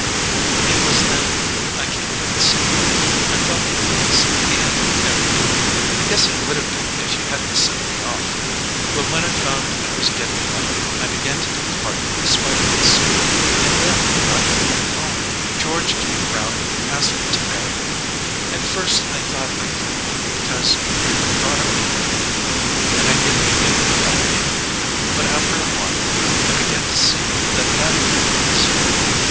"It was then I came down sick—I thought it was the end of everything. I guess it would have been if you hadn't sent me off. But when I found I was getting well I began to take heart in spite of myself. And then, when I got back home, George came round and asked me to marry him. At first I thought I couldn't, because we'd been brought up together, and I knew he knew about me. But after a while I began to see that that made it easier.